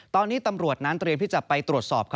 ตอนนี้ตำรวจนั้นต้องไปตรวจสอบ